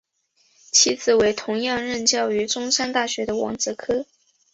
其子为同样任教于中山大学的王则柯。